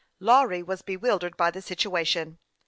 Lawry was bewildered by the situation.